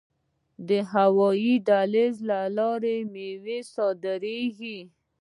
د هوایی دهلیز له لارې میوې صادریږي.